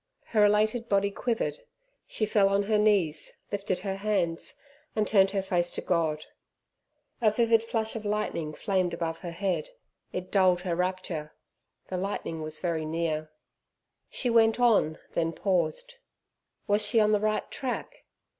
Her elated body quivered, she fell on her knees, lifted her hands, and turned her face to God. A vivid flash of lightning flamed above her head. It dulled her rapture. The lightning was very near. She went on, then paused. Was she on the right track?